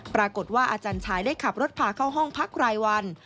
อาจารย์ชายได้ขับรถพาเข้าห้องพักรายวัน